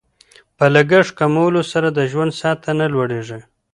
په لګښت کمولو سره د ژوند سطحه نه لوړیږي.